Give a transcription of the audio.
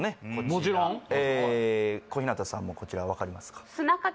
もちろん小日向さんも分かりますか？